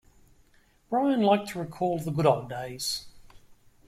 Brian liked to recall the good old days.